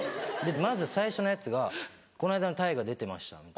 まず最初のヤツが「この間の大河出てました」。